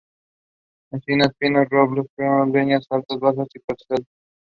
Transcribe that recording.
He gradually reduced the importance of Jesus in his movement.